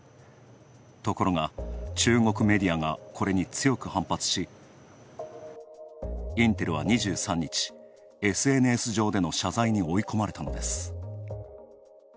ところが、中国メディアがこれに強く反発し、インテルは２３日、ＳＮＳ上での謝罪に追い込まれたのです。